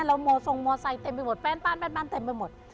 เราโมทรงโมไซเต็มไปหมดแป้นบ้านเต็มไปหมด